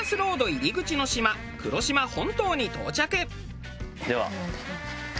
入り口の島黒島本島に到着。